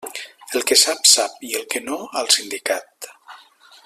El que sap, sap, i el que no, al sindicat.